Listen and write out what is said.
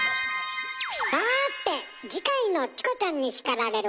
さて次回の「チコちゃんに叱られる！」